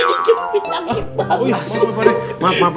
ini keping lagi banget